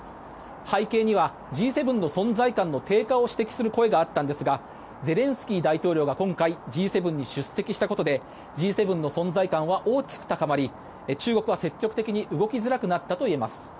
背景にはＧ７の存在感の低下を指摘する声があったんですがゼレンスキー大統領が今回、Ｇ７に出席したことでＧ７の存在感は大きく高まり中国は積極的に動きづらくなったといえます。